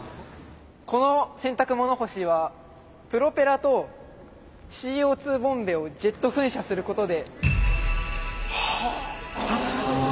この洗濯物干しはプロペラとＣＯ２ボンベをジェット噴射することで。